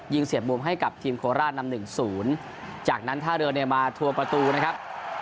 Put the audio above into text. ยิงเสียบมุมให้กับทีมโคราตนำ๑๐จากนั้นท่าเรือมาทัวร์ประตูนะครับ